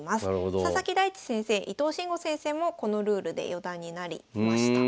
佐々木大地先生伊藤真吾先生もこのルールで四段になりました。